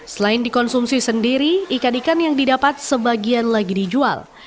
selain dikonsumsi sendiri ikan ikan yang didapat sebagian lagi dijual